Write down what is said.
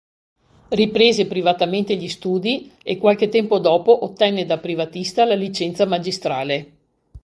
Riprese privatamente gli studi, e qualche tempo dopo ottenne da privatista la licenza magistrale.